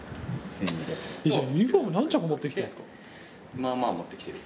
まあまあ持ってきてる。